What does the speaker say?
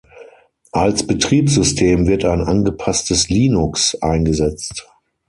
Als Betriebssystem wird ein angepasstes Linux eingesetzt.